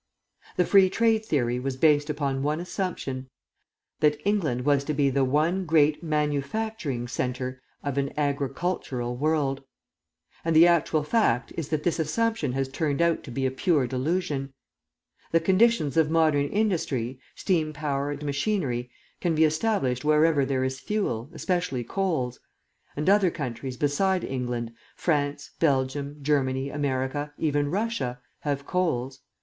"The Free Trade theory was based upon one assumption: that England was to be the one great manufacturing centre of an agricultural world. And the actual fact is that this assumption has turned out to be a pure delusion. The conditions of modern industry, steam power and machinery, can be established wherever there is fuel, especially coals. And other countries beside England, France, Belgium, Germany, America, even Russia, have coals.